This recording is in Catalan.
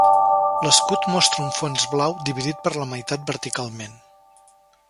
L'escut mostra un fons blau dividit per la meitat verticalment.